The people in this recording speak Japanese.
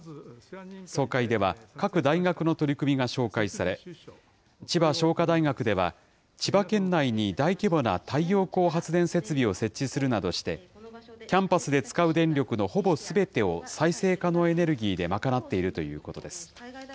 総会では、各大学の取り組みが紹介され、千葉商科大学では、千葉県内に大規模な太陽光発電設備を設置するなどして、キャンパスで使う電力のほぼすべてを再生可能エネルギーで賄っているということです。